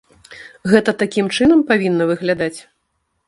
Гэта такім чынам павінна выглядаць?